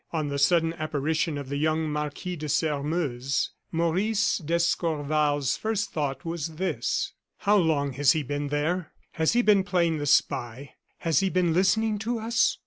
On the sudden apparition of the young Marquis de Sairmeuse, Maurice d'Escorval's first thought was this: "How long has he been there? Has he been playing the spy? Has he been listening to us?